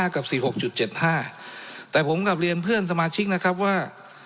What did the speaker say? กับ๔๖๗๕แต่ผมกลับเรียนเพื่อนสมาชิกนะครับว่า